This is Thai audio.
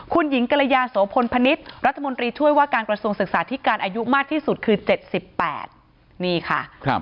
คุณหญิงกรยาโสพลพนิษฐ์รัฐมนตรีช่วยว่าการกระทรวงศึกษาที่การอายุมากที่สุดคือ๗๘นี่ค่ะ